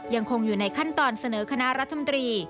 ยังคงอยู่ในขั้นตอนเสนอคณะรัฐมนตรี